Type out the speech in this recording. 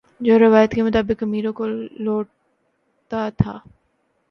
جو روایت کے مطابق امیروں کو لوٹتا تھا